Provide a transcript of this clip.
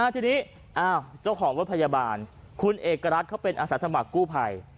ทีนี้เจ้าของรถพยาบาลคุณเอกรัฐเขาเป็นอาสาสมัครกู้ภัย